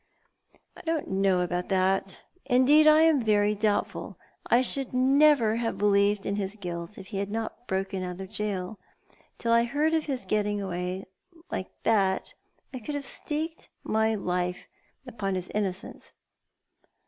" I don't know aboiit that. Indeed, I am very doubtful. I should never have believed in his guilt if he had not broken out of gaol. Till I heard of his getting away like that I could have staked my life upon his innocence."